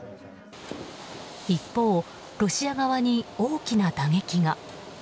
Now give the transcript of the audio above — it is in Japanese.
一方、ロシア側に大きな打撃が。